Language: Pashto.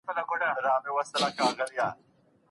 ړوند سړی د ږیري سره ډېري مڼې خوړلې.